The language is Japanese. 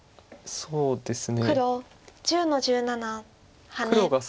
そうですね。